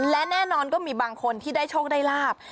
และแน่นอนก็มีบางคนที่ได้โชคได้ลาบ